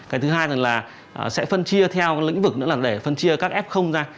cái thứ hai là sẽ phân chia theo lĩnh vực nữa là để phân chia các f ra